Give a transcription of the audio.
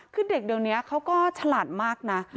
คือเด็กเดี๋ยวนี้เขาก็ฉลาดมากนะ